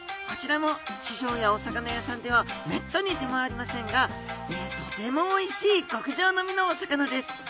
こちらも市場やお魚屋さんではめったに出回りませんがとても美味しい極上の身のお魚です。